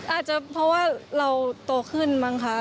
อาจจะเพราะว่าเราโตขึ้นมั้งคะ